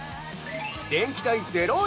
◆電気代０円！